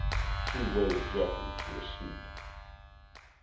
She waved Geoffrey to a seat.